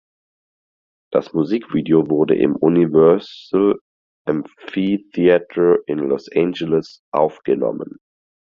Das Musikvideo wurde im Universal Amphitheatre in Los Angeles aufgenommen.